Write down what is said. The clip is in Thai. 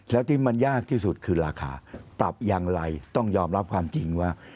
แล้วที่มันยากที่สุดคือราคาปรับอย่างไรต้องยอมรับความจริงว่า